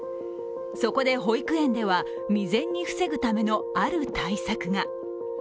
そこで保育園では、未然に防ぐためのある対策が。